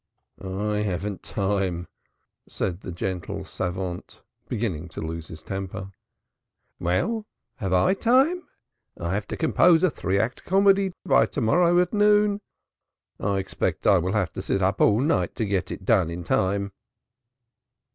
"I haven't time," said the gentle savant, beginning to lose his temper. "Well, have I time? I have to compose a three act comedy by to morrow at noon. I expect I shall have to sit up all night to get it done in time."